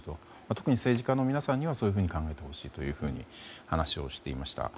特に、政治家の皆さんにはそういうふうに考えてほしいというふうに話をしていました。